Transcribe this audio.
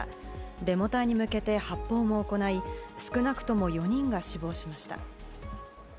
デモ隊に向けて発砲も行い少なくとも４人が死亡しました。